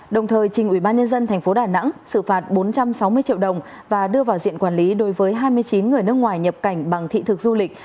đồng thời trình ủy ban nhân dân tp đà nẵng xử phạt bốn trăm sáu mươi triệu đồng và đưa vào diện quản lý đối với hai mươi chín người nước ngoài nhập cảnh bằng thị thực du lịch